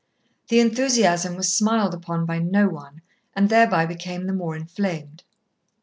The enthusiasm was smiled upon by no one, and thereby became the more inflamed.